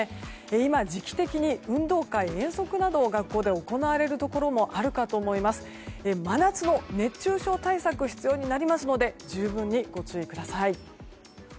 今、時期的に運動会や遠足などが学校で行われるところもあると思いますが真夏の熱中症対策が必要になりますので十分にご注意ください。